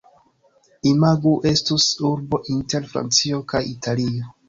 Imagu estus urbo inter Francio kaj Italio.